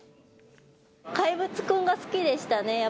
怪物くんが好きでしたね。